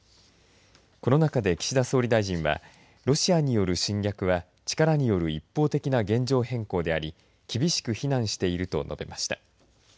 この中で岸田総理大臣はロシアによる侵略は力による一方的な現状変更であり厳しく非難していると述べました。